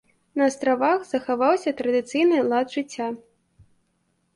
На астравах захаваўся традыцыйны лад жыцця.